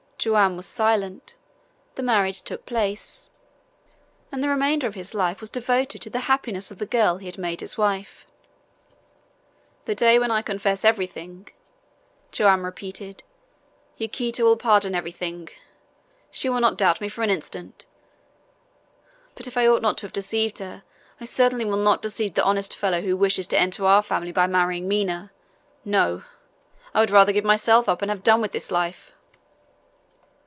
Joam was silent, the marriage took place, and the remainder of his life was devoted to the happiness of the girl he had made his wife. "The day when I confess everything," Joam repeated, "Yaquita will pardon everything! She will not doubt me for an instant! But if I ought not to have deceived her, I certainly will not deceive the honest fellow who wishes to enter our family by marrying Mina! No! I would rather give myself up and have done with this life!"